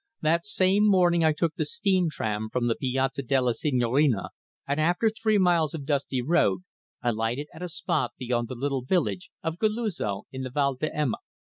That same morning I took the steam tram from the Piazza della Signorina, and after three miles of dusty road, alighted at a spot beyond the little village of Galluzzo in the Val d'Ema.